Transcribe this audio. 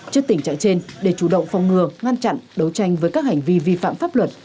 trước tình trạng trên để chủ động phòng ngừa ngăn chặn đấu tranh với các hành vi vi phạm pháp luật